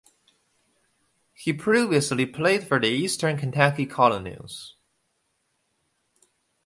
He previously played for the Eastern Kentucky Colonels.